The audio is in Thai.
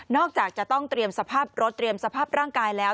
จากจะต้องเตรียมสภาพรถเตรียมสภาพร่างกายแล้ว